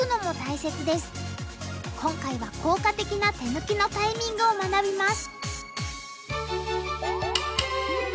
今回は効果的な手抜きのタイミングを学びます。